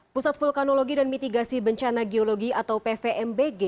pusat vulkanologi dan mitigasi bencana geologi atau pvmbg